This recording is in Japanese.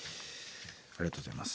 ありがとうございます。